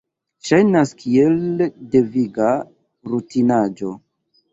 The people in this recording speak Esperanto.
Ŝajnas kiel deviga rutinaĵo.